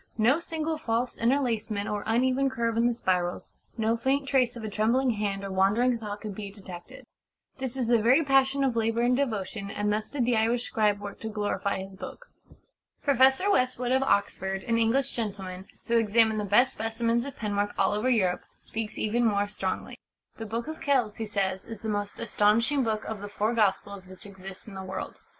No single false interlacement or uneven curve in the spirals, no faint trace of a trembling hand or wandering thought can be detected. This is the very passion of labour and devotion, and thus did the Irish scribe work to glorify his book." Professor Westwood, of Oxford an English gentleman who examined the best specimens of penwork all over Europe, speaks even more strongly. "The Book of Kells," he says, "is the most astonishing book of the Four Gospels which exists in the world.